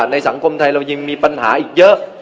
ในสังคมไทยเรายังมีปัญหาอีกเยอะ